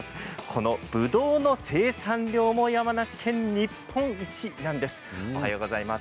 このぶどうの生産量も山梨県日本一なんです。